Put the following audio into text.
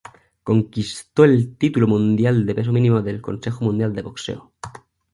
Conquistó el título mundial de peso mínimo del Consejo Mundial de Boxeo.